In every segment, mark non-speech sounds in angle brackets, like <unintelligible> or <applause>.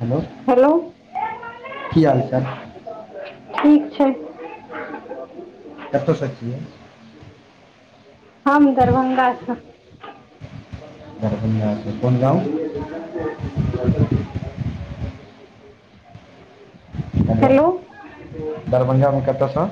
Hello hello की हाल चाल ठीक छै कतऽ सऽ छियै हम दरभंगासँ दरभंगा सऽ <inaudible> हेलो दरभंगामे कतऽसँ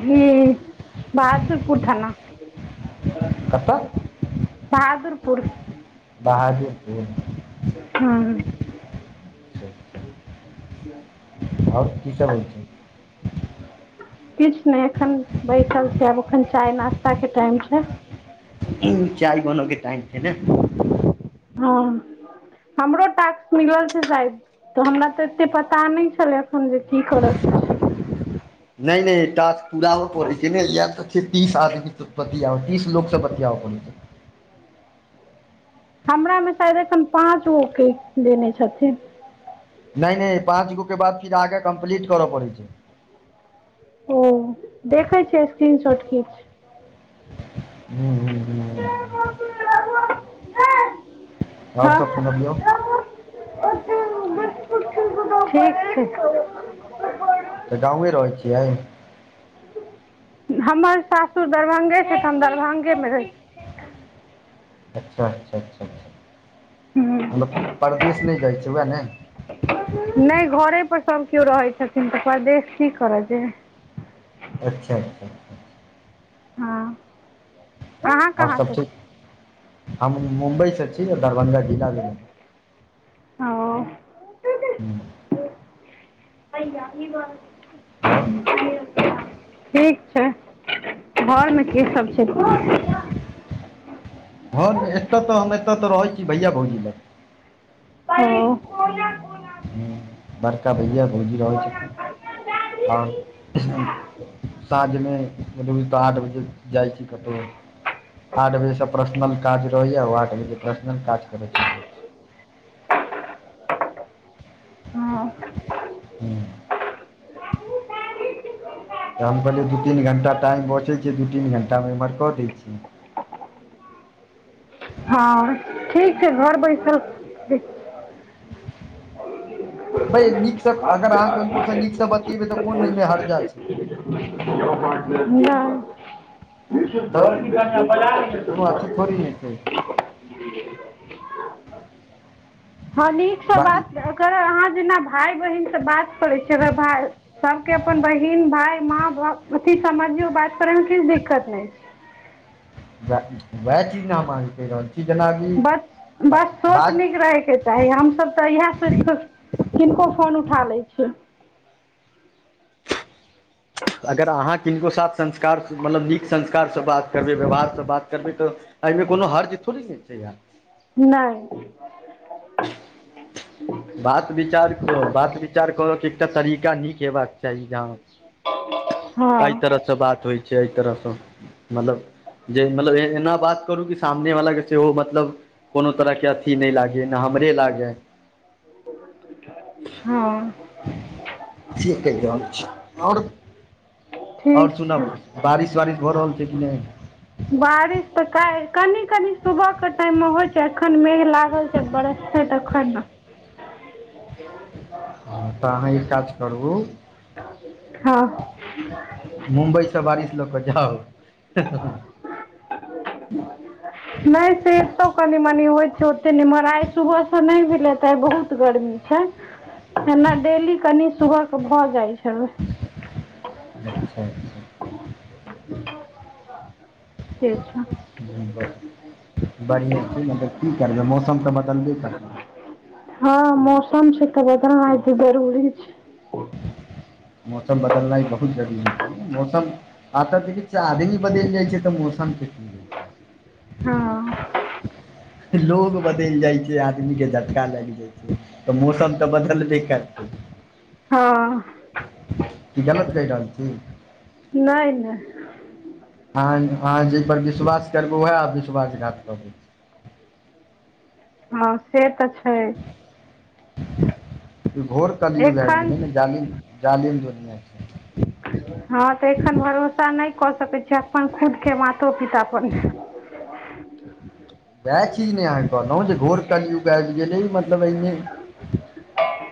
ह बहादुरपुर थाना त तऽ बहादुरपुर बहादुर पुर ह <unintelligible> और की सभ होइ छै <inaudible> किछ नै एखन बैसल छी आब एखन चाय नाश्ता केँ टाइम छै चाय बन केँ टाइम छै ने हाॅं हमरो टाक्स मिलल छै शायद तऽ हमरा ते एते पता नै छलै एखन जे की करऽ केँ छै नै नै टाक्स पूराबै पड़ै छै न या तऽ छै तीस आदमी बतियाउ तीस लोकसँ बतियाउ पर छी <unintelligible> हमरा में शायद एखन पाँच गो केँ देने छथिन नै नै पाँच गो केँ बाद फिर आगा कम्प्लीट कर पड़ै छै ओ देखै छियै स्क्रीन शॉट किछ <unintelligible> <unintelligible> <unintelligible> और सब सुनबियौ <unintelligible> तऽ गाँव यै रहै छियै हमर सासुर दरभंगे छै तऽ हम दरभंगे में रहै छी अच्छा अच्छा अच्छा अच्छा मतलब परदेस नै जाइ छै वएह ने नै घरे पर सभ केओ रहै छथिन तऽ परदेश की कर जेबे अच्छा अच्छा हँ अहाँ और कहाँ सब से ठीक छी <inaudible> हम मुम्बइ स छी दरभंगा जिला भेल <unintelligible> <unintelligible> <unintelligible> आओर ठीक छै घर में केँ सब छै भर नै हँ एतय तऽ हम एतय तऽ रहै छी भैया भौजी लग <unintelligible> हु बड़का भैया भौजि रहल छथिन <inaudible> और साँझमे मलब तऽ आठ बजे जाइ छी कतहु आठ बजे से पर्सनल काज रहैय आठ बजे पर्सनल काज करे छलिय। हँ <unintelligible> तऽ हम कहलियै दू तीन घण्टा टाइम बचै छय दू तीन घण्टा इमहर कऽ दै छियै <unintelligible> <inaudible> बैय नीकसँ अगर आहा ककरो सँ नीक सँ बतीयेबै तऽ कोन ओय मे हरजा छै तऽ <unintelligible> <unintelligible> हँ नीकसँ बाँकी बात कर अहाँ जेना भाय बहिन से बात करै छीयै अगर भै सब केँ अपन बहिन भाय माँ बाप अथी समझियौ बात करै में किछ दिक्कत नै छै वएह वएह चीज न हम अहाँ केँ कहि रहल छी की जेना अभी बस बस सोच नीक रहेके छै चाहे हम सभ तऽ इएह सोचिक <inaudible> किनको फोन उठा लै छियै अगर अहाँ किनको साथ संस्कार मतलब नीक संस्कार सँ बात करबै व्यवहार सँ बात करबै तऽ एहिमे कोनो हरज थोड़ी ह छै या नै <unintelligible> बात विचार कऽ बात विचार कर केँ एकटा तरीका नीक हेबाक चाही जहाँ <unintelligible> यै तरह सँ बात होइ छै यै तरह सँ मतलब जे मतलब एना बात करू कि सामने वाला कऽ सेहो मतलब कोनो तरह केँ अथि नै लागै नै हमरे लागै <unintelligible> ठीक कहि रहल छी और <inaudible> और ठीक छै सुनाबु बारिश वारिश भऽ रहल छै कि नै बारिश तऽ काइल कनि कनि सुबह कऽ टाइम मे होइ छै एखन मेघ लागल छै बरसते तखन न <unintelligible> हँ तऽ अहाँ ई काज करू हँ <inaudible> मुम्बइ स बारिश लऽ कऽ जाउ है नै से एतौ कनि मनी होइ छै ओतेक नमहर आइ सुबह स नै भेलै तऽ आइ बहुत गर्मी छै एना डेली कनि सुबह कऽ भऽ जाइत छल <unintelligible> से छै <inaudible> बढ़िएँ छै मतलब की करबै मौसम तऽ बदलबे करतै हँ मौसम छै तऽ <unintelligible> त जरूरी छै <inaudible> मौसम बदलनाइ बहुत जरूरी छै मौसम आ तऽ देखी छि आमदी बदले जै छै तऽ मौसम की होइ छै हँ <unintelligible> लोग बदलि जाइ छै आदमी के झटका लाइग जाय छै तऽ मौसम तऽ बदलबे कर हँ <unintelligible> गलत कहि रहल छी नै नै अह अहाँ जै पर विश्वास करबै ओहै आ विश्वासघात करत ह से तऽ छै <inaudible> घोर कलियुग आबि एखन गेल न जालि जालिम दुनियाँ छै हँ तऽ एखन भरोसा नै कऽ सकैत छी अपन खुद कऽ मातो पिता पर नै वएह चीज न अहाँ केँ कहनो जे घोर कलियुग आयब गेलए जे मतलब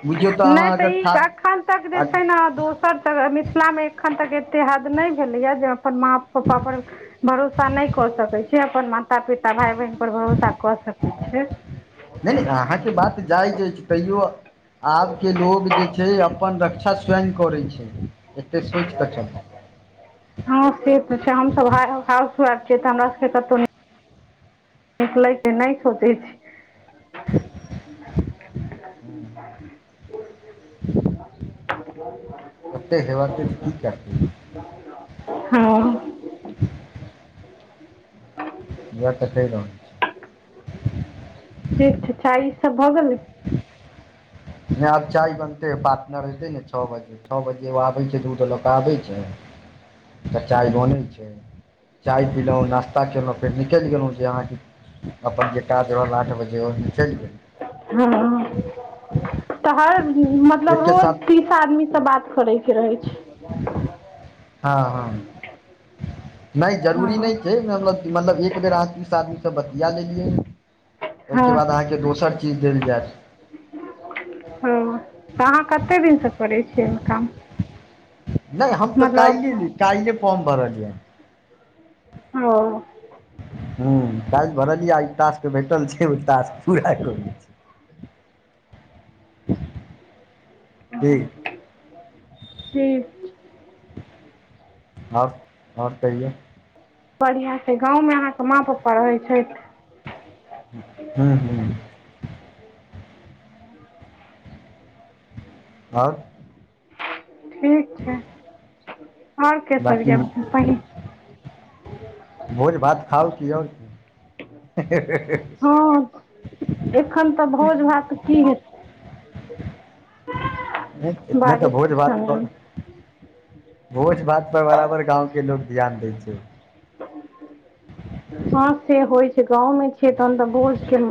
बुझियौ नै अहाँ तऽ अगर ई ठा एखन तक जे छै नहि न दोस्त एत तहन मिथिलामे एखन तक एतेक हद नै भेलैए जे अपन माँ पपा पर भरोसा नै कऽ सकै अछि। से अपन माता पिता भाय बहिन पर भरोसा कऽ सकै छै। नै नै अहाँकेँ बात जायज अछि तैयो आब केँ लोग जे छै। जे अपन रक्षा स्वयं करै छै एतेक सोचिकऽ चली हँ से तऽ छै हम हाउस वाइफ छीयै तऽ हमरा सब केँ कतौ नै निकलै केँ नै सोचै छी। <inaudible> <inaudible> ओते हेवत तऽ की करतै हँ <unintelligible> ठीक छै चाय उइ सब भऽ गेलै नय आब चाय बनतै पटनर ऐतै नऽ छ बजे छ बजे ओ आबैत छै दूध लऽ कऽ आबै छै तऽ चाय बनै छै। चाय पीलहुँ नाश्ता कयेलहुँ फेर निकलि गेलहुँ जे अहाँकेँ अपन जे काज रहल आठ बजे ओ निकलि गेलहुँ हँ तऽ हर मतलब एकके रोज साथ तीस टा आदमी सँ बात करे कऽ रहै छै। हँ हँ नय जरूरी नय हँ छै मतलब मतलब एक बेर अहाँ तीस आदमीसँ बतिया लेलियै ओहि केँ हँ बाद अहाँकेँ दोसर चीज देल जैत हँ तऽ अहाँ कते दिनसँ करै छियै एहिमे काम नय हम तऽ मतलब काइले एली काइले फॉर्म भरलियै हन। ओ हुँ काइल भरलियै आई ई टास्क भेटल छै ओ टास्क पूरा करै छी <inaudible> <unintelligible> <unintelligible> आओर आओर कहियो बढ़िया छै गाँवमे अहाँकेँ माँ पपा रहैत छैथ। हुँ - हुँ <inaudible> आओर ठीक छै आओर केँ सब बाँकी य पहि भोज भात खाउ की आओर की हँ एखन तऽ भोज भात की हेतै नय - नय तऽ बारिश भोज के भात समय मे कऽ भोज भात पर बराबर गाँव केँ लोक ध्यान दै छैय। हँ से होइ छै गाँवमे छियै तहन तऽ भोज केँ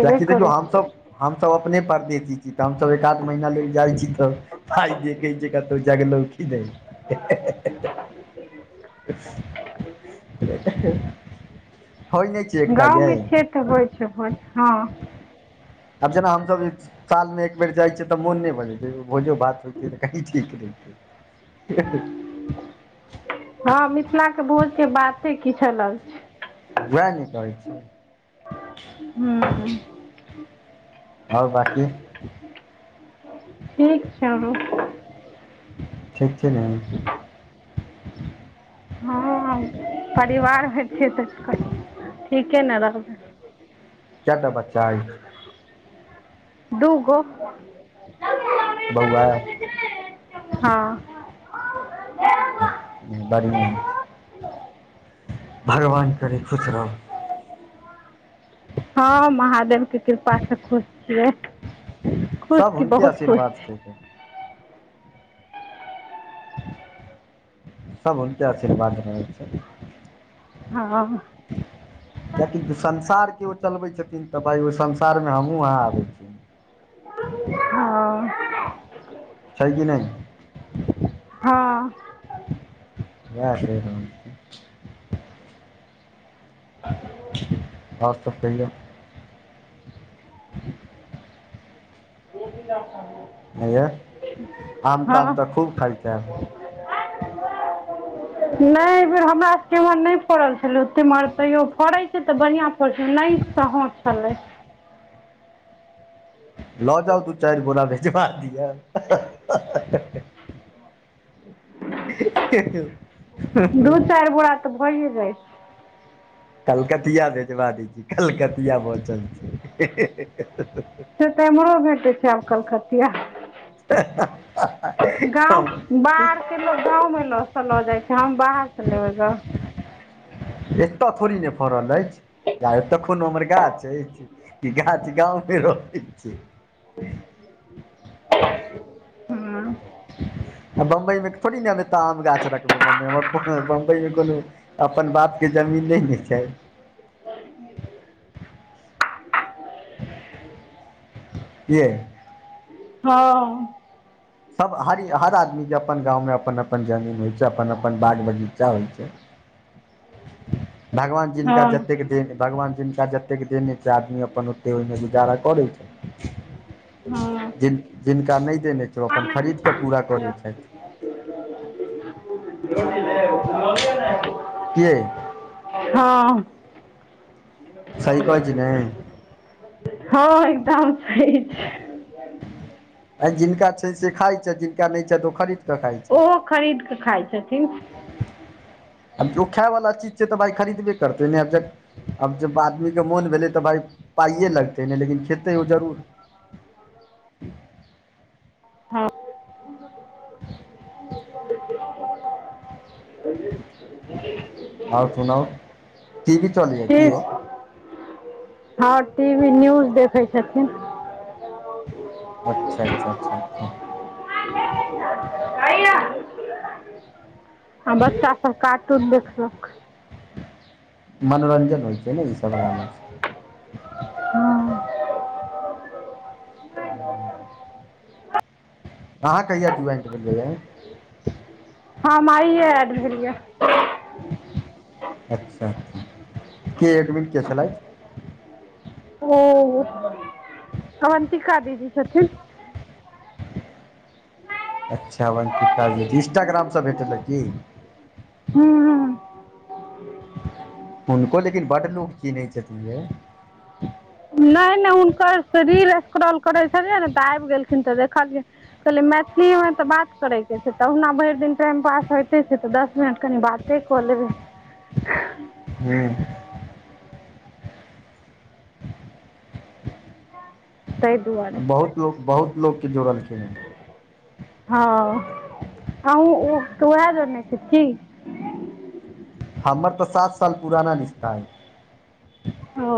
कियाकी देखियो हमसब - हमसब अपने परदेशी छी तऽ हमसभ एक आध महीना लऽ जाइ छी तब आइ देखै छिये कतहु जगलो की नय। <unintelligible> होइ नय छै एकटा यै गाँवमे छियै तऽ होइ छै होइ छै हँ अब जेना हमसब जे सालमे एक बेर जाइ छियै तऽ मोन नय भऽ जेतै एक बेर भोजो भात होइतै तऽ कनी ठीक रहितै <inaudible> हँ मिथिला केँ भोज केँ बाते किछ अलग छै। वैह नऽ कहै छी। हूँ आओर बाकी ठीक छ ठीक छै ने हँ <unintelligible> परिवारमे छियै तऽ ठीके ने रहबै केँ टा बच्चा ऐछ दूगो <unintelligible> बौआ <unintelligible> हँ बड़िया छै <inaudible> भगवान करै खुश रहब हँ महादेव केँ कृपा से खुश छियै खुश सभ की हुनके बहुत खुश आशीर्वाद छी। छै सब हुनके आशीवार्द रहै छै हँ हँ किएकि संसार केँ ओ चलबै छथिन तऽ भाय ओइ संसार में हमहूँ अहाँ आबै छी। <unintelligible> छै कि नै हँ इहै छै तहन <unintelligible> और सब कहियो <unintelligible> है यै <inaudible> आम ताम तऽ हँ खूब खाइत हैब <inaudible> <unintelligible> नै एहि बेेर हमरा सब केँ एम्हर नै फड़ल छलै ओत एम्हर तैयो फड़ै छै तऽ बढ़िआँ फड़ै छै नै तऽ हऽ छलै लऽ जाउ दू चाइर बोरा भेजबा दिअ- <unintelligible> <unintelligible> दू चाइर बोरा तऽ भइए जाइ छै कलकतिया भेजवा दै छी कलकतिया बचल छै <unintelligible> से तऽ एमहरो भेटै छै आब कलकतिया <unintelligible> छै गाँव बाहर केँ लोग गाँव मे ल स लऽ जाइ छै हम बाहर से लेबै गाँव एतय थोड़े नै फड़ल ऐछ जा ऐत हमर गाछ ऐछ की गाछ गाँमे रहै छै <unintelligible> आ बम्बई मे थोड़ी ने त आम गाछ रखबै बम्बई हमर बम्बई मे कोनो अपन बाप केँ जमीन नै ने छै <unintelligible> <inaudible> कि यै <inaudible> हँ सब हरी हर आदमी केँ अपन गाँवमे अपन अपन जमीन होइ छै अपन अपन बाग बगीचा होइ छै <unintelligible> भगवान जिनका हँ जतेक दे भगवान जिनका जतेक देन अइ छै आदमी अपन से ओइमें जुगारा करै छै <inaudible> जिन जिनका नै देने छै ओ अपन खरीद कऽ पूरा करै छैथ <unintelligible> कि यै <unintelligible> ह <inaudible> सही कहै छी ने आ हँ एकदम सही छै आ जिनका छै से खाइ छै जिनका नै छै तो ओ खरी ओहो खरीद कऽ खाइ छथिन। ओ खायवला चीज छै तऽ भाय खरीदबे करतै नहि आब जक आब जब आदमी के मोन भेलै तऽ भाय पाइए लगतै नहि लेकिन खेतै ओ जरूर ह आओर सुनाउ टी वी चलैए की ठीक। यै ह टी वी न्यूज देखै छथिन अच्छा अच्छा कइया। आ बच्चा सभ कार्टून देखलक मनोरञ्जन होइ छै ने ईसभरामे ह दोसर। अहाँ कहिया जुइन करबाए हम आइए एड भेल य अच्छा कि एकडमट के छलेलै ह। ओ अवन्तिका दीदी छथिन। अच्छा बैंक इन्स्टाग्रामसँ भेटैलए की हू ह उको लेकिन बड़ नूख कि नहि चत है नहि नहि हुनकर रील स्क्रॉल करै छलियै ने त आबि गेलखिन तऽ देखलियै कहलियै मैथिली मे तऽ बात करैके छै तुना भरि दिन टाइम पास होइते छै तऽ दस मिनट खनि बाते करलब। ह ताहि दुआरे बहुत लो बहुत लोकग के जुड़लखिन ह हँ अँ वएह जानै छी कऽ हमर त सात साल पुराना रिश्ता है ओ।